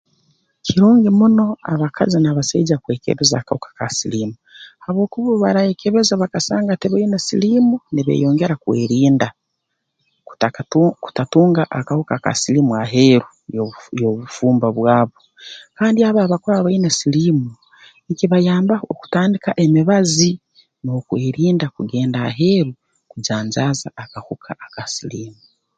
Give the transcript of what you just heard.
Kirungi muno abakazi n'abasaija kwekebeza akahuka ka siliimu habwokuba obu baraayekebeza bakasanga tibaine siliimu nibeeyongera kwerinda kutakatu kutatunga akahuka ka siliimu aheeru y'obufu y'obufumbo bwabo kandi abo abakuba baine siliimu nkibayambaho kutandika emibazi n'okwerinda kugenda aheeru kujanjaaza akahuka aka siliimu